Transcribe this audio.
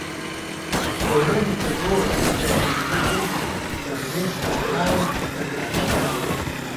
د ورځې څلور که پنځه ځلې سرویس تر ښاره تګ راتګ کاوه.